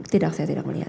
tidak saya tidak melihat